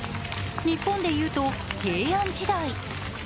日本でいうと、平安時代。